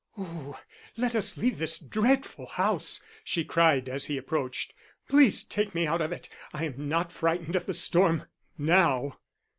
"Oh, let us leave this dreadful house," she cried as he approached. "Please take me out of it. I am not frightened of the storm now."